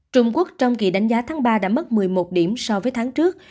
trung quốc trong kỳ đánh giá tháng ba đã mất một mươi một điểm so với tháng trước